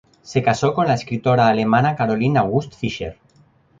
Se casó con la escritora alemana Caroline Auguste Fischer